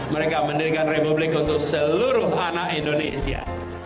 mereka mendirikan republik untuk seluruh anak indonesia